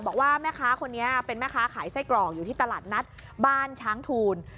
บอกว่าแม่ค้าคนนี้เป็นแม่ค้าขายไส้กรอกอยู่ที่ตลาดนัดบ้านช้างทูล